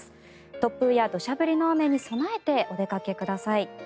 突風や土砂降りの雨に備えてお出かけください。